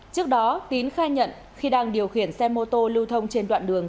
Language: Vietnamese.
trước đó tín khai nhận khi đang điều khiển xe mô tô lưu thông trên đoạn đường